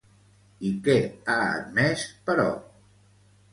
I què ha admès, però?